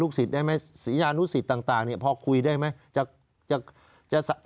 ลูกศิษฐ์ได้มั้ยศรียานุศิษฐ์ต่างขอคุยได้ไหม